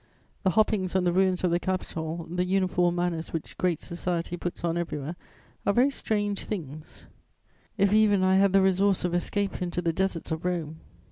The hoppings on the ruins of the Capitol, the uniform manners which 'great' society puts on everywhere are very strange things: if even I had the resource of escape into the deserts of Rome!